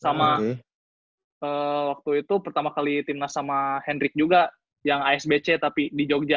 sama waktu itu pertama kali timnas sama hendrik juga yang asbc tapi di jogja